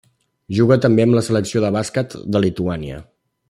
Juga també amb la selecció de bàsquet de Lituània.